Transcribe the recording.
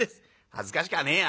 「恥ずかしかねえや。